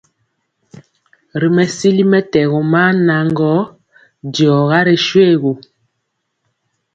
Ri mesili mɛtɛgɔ maa naŋgɔ, diɔga ri shoégu.